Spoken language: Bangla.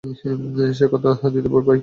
সে কথা দিতে ভয় পায়।